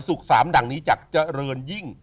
สามดังนี้จากเจริญยิ่ง